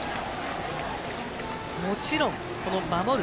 もちろん守る